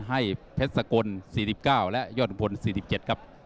ให้เพชรสกล๔๙และยอดขุมพล๔๗ครับ